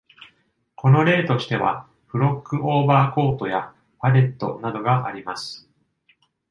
この例としては、フロックオーバーコートやパレットなどがあります。